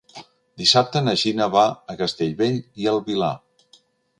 Dissabte na Gina va a Castellbell i el Vilar.